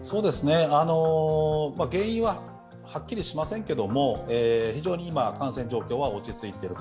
原因ははっきりしませんけども、非常に今、感染状況は落ち着いていると。